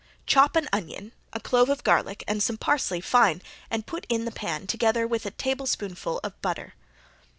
Chop an onion, a clove of garlic and some parsley fine and put in the pan, together with a tablespoonful of butter.